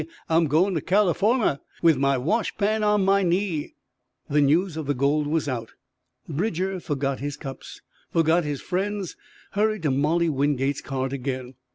I'm goin' to Californuah, With my wash pan on my knee_. The news of the gold was out. Bridger forgot his cups, forgot his friends, hurried to Molly Wingate's cart again.